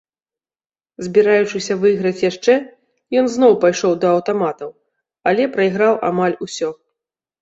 Збіраючыся выйграць яшчэ, ён зноў пайшоў да аўтаматаў, але прайграў амаль усё.